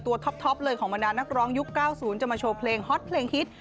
ตัวท็อปเลยของบรรดานักร้องยุคเก่าศูนย์จะมาโชว์เพลงฮอตเพลงฮิต